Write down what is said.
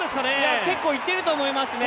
結構いってると思いますね。